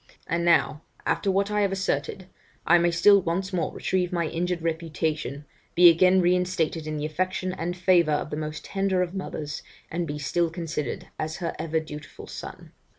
And now, after what I have asserted, I may still once more retrieve my injured reputation, be again reinstated in the affection and favour of the most tender of mothers, and be still considered as her ever dutiful son.